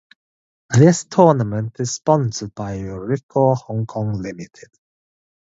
This tournament is sponsored by "Ricoh Hong Kong Limited".